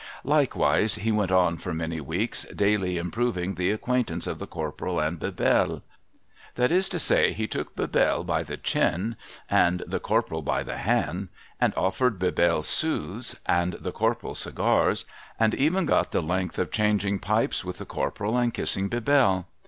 Like wise, he went on for many weeks claily improving the acquaintance of the Corporal and Bebelle. That is to say, he took Bebelle by the chin, and the Corporal by the hand, and offered Bebelle sous and the Corporal cigars, and even got the length of changing pipes with the Corporal and kissing Bebelle.